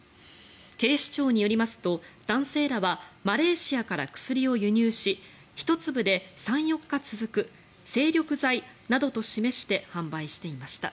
警視庁によりますと男性らはマレーシアから薬を輸入し１粒で３４日続く精力剤などと示して販売していました。